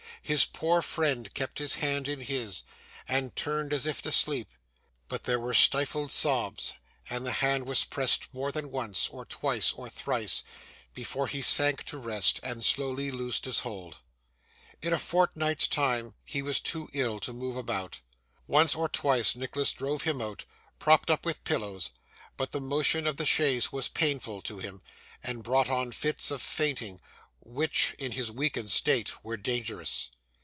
His poor friend kept his hand in his, and turned as if to sleep. But there were stifled sobs; and the hand was pressed more than once, or twice, or thrice, before he sank to rest, and slowly loosed his hold. In a fortnight's time, he became too ill to move about. Once or twice, Nicholas drove him out, propped up with pillows; but the motion of the chaise was painful to him, and brought on fits of fainting, which, in his weakened state, were dangerous.